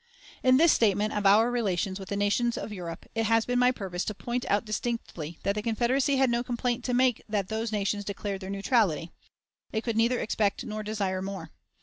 In this statement of our relations with the nations of Europe, it has been my purpose to point out distinctly that the Confederacy had no complaint to make that those nations declared their neutrality. It could neither expect nor desire more.